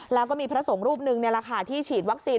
แล้วก็มีพระสงฆ์รูปหนึ่งนี่แหละค่ะที่ฉีดวัคซีน